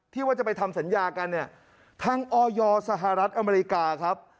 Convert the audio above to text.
ที่จะไปทำสัญญากันเนี่ยทางออยสหรัฐอเมริกาครับ